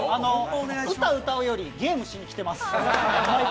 歌、歌うより、ゲームしにきてます。